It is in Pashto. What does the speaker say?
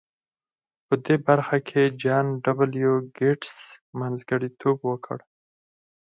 په دې برخه کې جان ډبلیو ګیټس منځګړیتوب وکړ